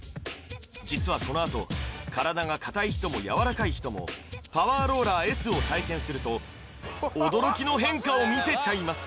実はこのあと体がかたい人もやわらかい人もパワーローラーＳを体験すると驚きの変化を見せちゃいます